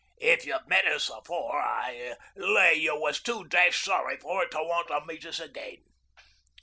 'If you've met us afore I lay you was too dash sorry for it to want to meet us again.'